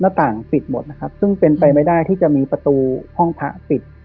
ต่างปิดหมดนะครับซึ่งเป็นไปไม่ได้ที่จะมีประตูห้องพระปิด